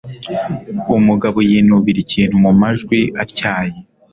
Umugabo yinubira ikintu mumajwi atyaye.